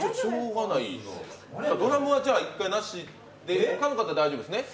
ドラムは一回なしで、他の方は大丈夫ですね？